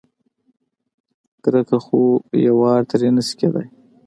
کرکه خو یوار ترې نشي کېدای.